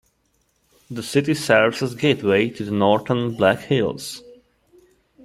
The city serves as gateway to the northern Black Hills.